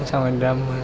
xong rồi đâm